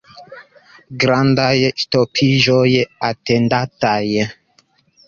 Grandaj ŝtopiĝoj atendataj.